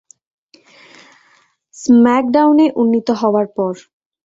স্ম্যাকডাউনে উন্নীত হওয়ার পর!